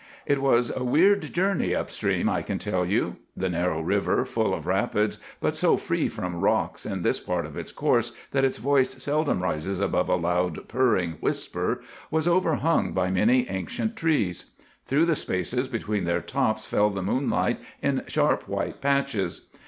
"It was a weird journey up stream, I can tell you. The narrow river, full of rapids, but so free from rocks in this part of its course that its voice seldom rises above a loud, purring whisper, was overhung by many ancient trees. Through the spaces between their tops fell the moonlight in sharp white patches.